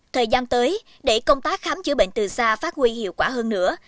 thời gian tới để công tác khám chữa bệnh từ xa phát huy hiệu quả hơn nữa